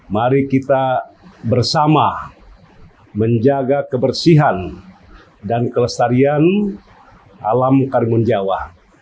mari kita bersama menjaga kebersihan dan kelestarian alam karimun jawa